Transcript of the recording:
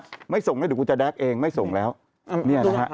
ก็บอกว่าไม่ส่งนะเดี๋ยวกูจะแดกเองไม่ส่งแล้วเนี่ยแหละฮะ